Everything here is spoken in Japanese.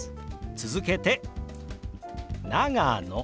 続けて「長野」。